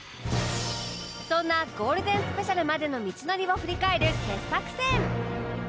そんなゴールデンスペシャルまでの道のりを振り返る傑作選